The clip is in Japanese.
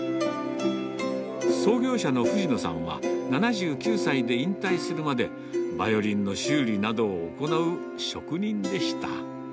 創業者の藤野さんは、７９歳で引退するまで、バイオリンの修理などを行う職人でした。